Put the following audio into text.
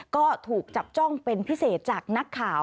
ก็ถูกจับจ้องเป็นพิเศษจากนักข่าว